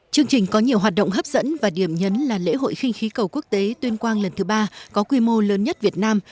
chương trình có nhiều hoạt động hấp dẫn và điểm nhấn là lễ hội khinh khí cầu quốc tế tuyên quang lần thứ ba có quy mô lớn nhất việt nam